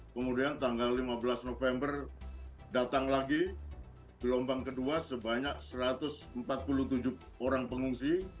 kemudian tanggal lima belas november datang lagi gelombang kedua sebanyak satu ratus empat puluh tujuh orang pengungsi